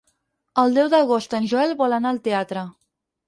El deu d'agost en Joel vol anar al teatre.